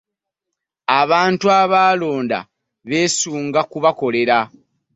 Abantu abaabalonda beesunga kubakolera.